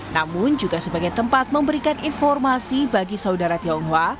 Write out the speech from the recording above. namun juga sebagai tempat memberikan informasi bagi saudara tionghoa